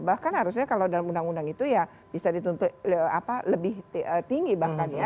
bahkan harusnya kalau dalam undang undang itu ya bisa dituntut lebih tinggi bahkan ya